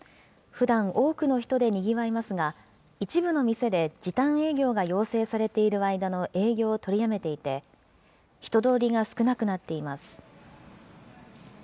ふだん、多くの人でにぎわいますが、一部の店で時短営業が要請されている間の営業を取りやめていて、人通りが少なくなっています。